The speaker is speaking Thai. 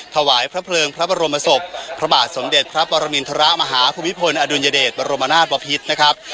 ถวายพระเพลิงพระบรมศพพระบาทสมเด็จพระปรมินทรมาฮภูมิพลอดุลยเดชบรมนาศบพิษนะครับ